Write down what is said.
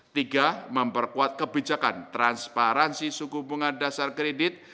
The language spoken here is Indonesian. tiga memperkuat kebijakan transparansi suku bunga dasar kredit